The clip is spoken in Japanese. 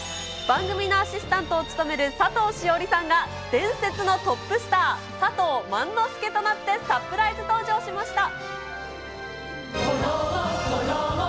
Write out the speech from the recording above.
番組のアシスタントを務める佐藤栞里さんが伝説のトップスター、佐藤萬之助となってサプライズ登場しました。